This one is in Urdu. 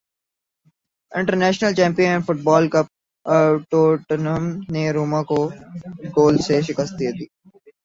international champion football cup Tottenham نے روما کو گول سے شکست دے دی